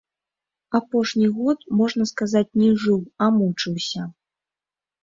Апошні год, можна сказаць, не жыў, а мучыўся.